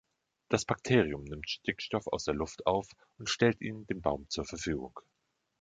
Das Bakterium nimmt Stickstoff aus der Luft auf und stellt ihn dem Baum zur Verfügung.